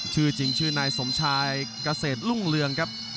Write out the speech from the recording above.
ชื่อจริงชื่อนายสมชายเกษตรรุ่งเรืองครับ